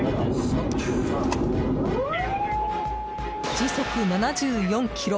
時速７４キロ。